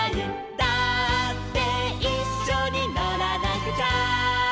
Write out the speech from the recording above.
「だっていっしょにのらなくちゃ」